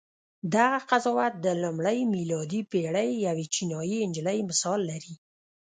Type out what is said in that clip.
دغه قضاوت د لومړۍ میلادي پېړۍ یوې چینایي نجلۍ مثال لري.